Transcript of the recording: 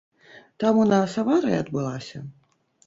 Там у нас аварыя адбылася.